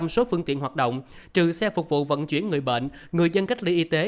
số phương tiện hoạt động trừ xe phục vụ vận chuyển người bệnh người dân cách ly y tế